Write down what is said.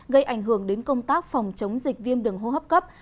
gây ảnh hưởng đến công tác phòng chống dịch viêm đường hô hấp cấp